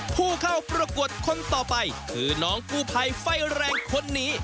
ผู้เข้าประกวดคนต่อไปคือน้องกู้ภัยไฟแรงคนนี้